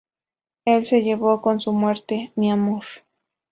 Él se llevó, con su muerte, mi amor.